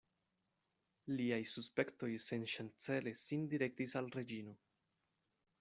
Liaj suspektoj senŝancele sin direktis al Reĝino.